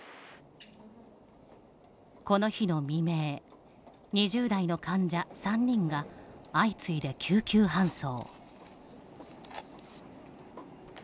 この日の未明２０代の患者３人が相次いで救急搬送。